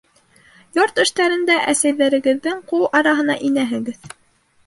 Йорт эштәрендә әсәйҙәрегеҙҙең ҡул араһына инәһегеҙ.